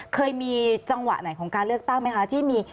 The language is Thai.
เคยมีจังหวะไหนของการเลือกตั้งไหมคะที่มี